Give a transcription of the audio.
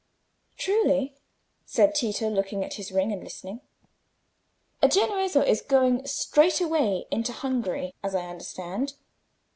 "Truly?" said Tito, looking at his ring and listening. "A Genoese who is going straight away into Hungary, as I understand.